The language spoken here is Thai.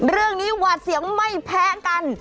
เรื่องนี้หวาดเสียวไม่แพ้กัน